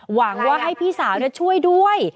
หวังว่าให้พี่สาวช่วยด้วย